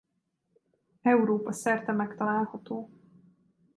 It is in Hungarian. Európa-szerte megtalálható.